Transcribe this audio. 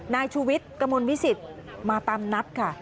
นายช่วยวิทย์กระมวลวิสิทธิ์มาตามนับค่ะ